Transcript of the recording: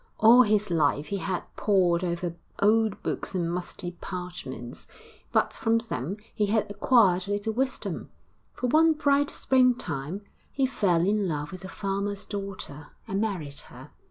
All his life he had pored over old books and musty parchments; but from them he had acquired little wisdom, for one bright spring time he fell in love with a farmer's daughter and married her.